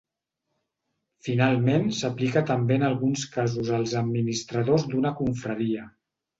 Finalment s'aplica també en alguns casos als administradors d'una confraria.